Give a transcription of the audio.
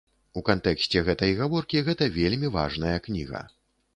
У кантэксце гэтай гаворкі гэта вельмі важная кніга.